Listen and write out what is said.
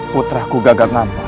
putraku gagak ngampar